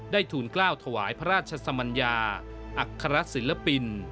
ทูลกล้าวถวายพระราชสมัญญาอัครศิลปิน